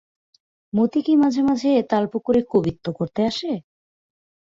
মতি কি মাঝে মাঝে তালপুকুরে কবিত্ব করিতে আসে?